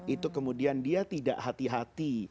itu kemudian dia tidak hati hati